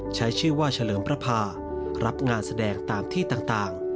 ใช้ชื่อว่าเฉลิมพระพารับงานแสดงตามที่ต่าง